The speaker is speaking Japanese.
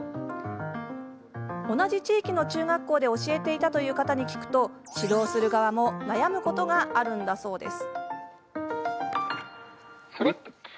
同じ地域の中学校で教えていたという方に聞くと指導する側も悩むことがあるんだそうです。